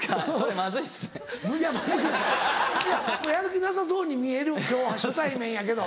まずいやる気なさそうに見える今日は初対面やけど。